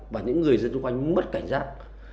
và những người dân chung quanh mất cảnh giác